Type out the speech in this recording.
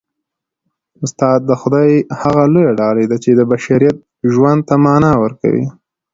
استاد د خدای هغه لویه ډالۍ ده چي د بشریت ژوند ته مانا ورکوي.